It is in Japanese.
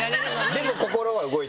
でも心は動いてない？